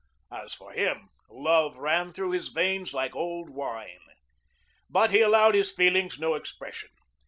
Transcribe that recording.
As for him, love ran through his veins like old wine. But he allowed his feelings no expression.